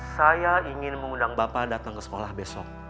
saya ingin mengundang bapak datang ke sekolah besok